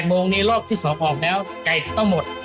โมงนี้รอบที่๒ออกแล้วไก่จะต้องหมด